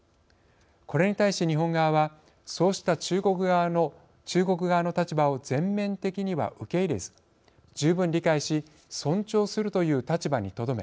これに対し、日本側はそうした中国側の立場を全面的には受け入れず十分理解し尊重するという立場にとどめ